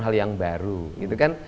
hal yang baru gitu kan